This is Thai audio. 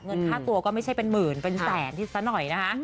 ค่าตัวก็ไม่ใช่เป็นหมื่นเป็นแสนที่ซะหน่อยนะคะ